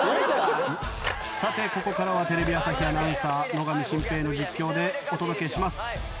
さてここからはテレビ朝日アナウンサー野上慎平の実況でお届けします。